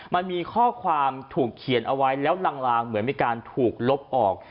มันมีข้อความถูกเขียนเอาไว้แล้วลางเหมือนมีการถูกลบออก